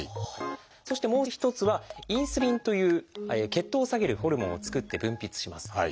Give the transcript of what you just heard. そしてもう一つは「インスリン」という血糖を下げるホルモンを作って分泌します。